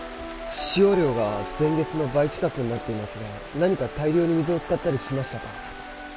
使用量が前月の倍近くになっていますが何か大量に水を使ったりしましたか？